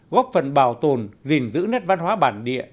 góp phần bảo tồn gìn giữ nét văn hóa bản địa